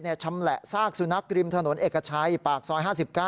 ชำแหละซากสุนัขริมถนนเอกชัยปากซอย๕๙